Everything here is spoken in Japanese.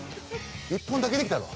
１本だけできたの？